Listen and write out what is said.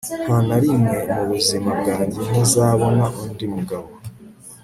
nta na rimwe mu buzima bwanjye ntazabona undi mugabo